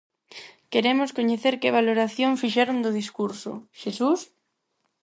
Queremos coñecer que valoración fixeron do discurso, Xesús?